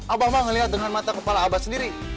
abah mah ngeliat dengan mata kepala abah sendiri